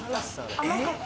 甘かった。